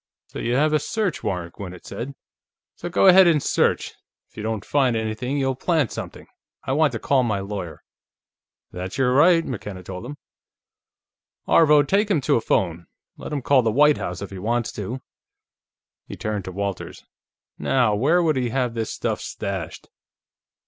"So you have a search warrant," Gwinnett said. "So go ahead and search; if you don't find anything, you'll plant something. I want to call my lawyer." "That's your right," McKenna told him. "Aarvo, take him to a phone; let him call the White House if he wants to." He turned to Walters. "Now, where would he have this stuff stashed?"